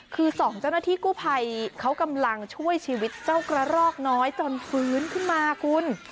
คือสองเจ้าหน้าที่กู้ภัยเขากำลังช่วยชีวิตเจ้ากระรอกน้อยจนฟื้นขึ้นมาคุณ